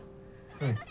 うん。